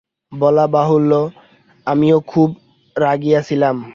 বলা বাহুল্য, আমিও খুব রাগিয়াছিলাম।